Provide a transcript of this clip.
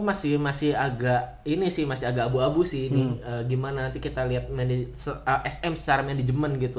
nah makanya gue masih agak abu abu sih gimana nanti kita liat sm secara management gitu